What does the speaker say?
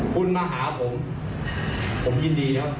คุณมาหาผมผมยินดีครับ